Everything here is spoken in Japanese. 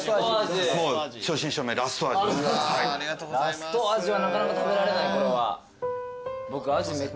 ラストアジはなかなか食べられないこれは。